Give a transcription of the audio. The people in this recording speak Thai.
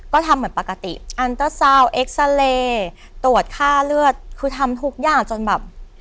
ก็ทำเหมือนปกติตรวจฆ่าเลือดคือทำทุกอย่างจนแบบ